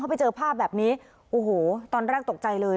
ไปเจอภาพแบบนี้โอ้โหตอนแรกตกใจเลย